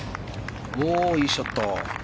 おお、いいショット！